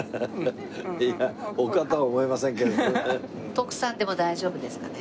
徳さんでも大丈夫ですかね？